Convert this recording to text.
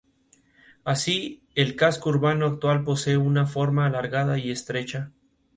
Ramas primarias de inflorescencias insertadas alrededor del eje principal.